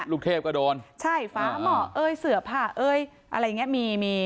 ลูกเทพกระโดนใช่ฝาหม้อเอ้ยเสือบอะไรอย่างนี้มี